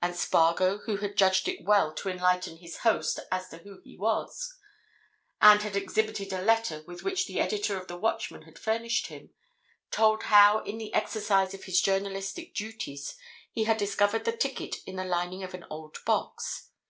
And Spargo, who had judged it well to enlighten his host as to who he was, and had exhibited a letter with which the editor of the Watchman had furnished him, told how in the exercise of his journalistic duties he had discovered the ticket in the lining of an old box.